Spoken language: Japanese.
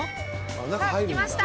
さあ着きました。